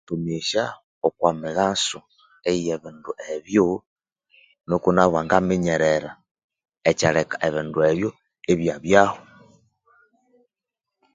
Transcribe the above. Erisomesya okwa mighaso eya ebindu ebyo nuko nabo bangaminyerera ekyaleka ebindu ebyo ibyabyaho